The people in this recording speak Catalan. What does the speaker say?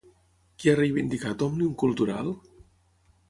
Què ha reivindicat Òmnium Cultural?